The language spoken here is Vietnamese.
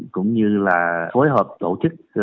cũng như là phối hợp tổ chức